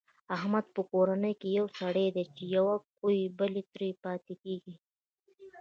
احمد په کورنۍ کې یو سری دی، چې یوه کوي بله ترې پاتې کېږي.